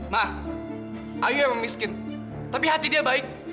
ma ayu emang miskin tapi hati dia baik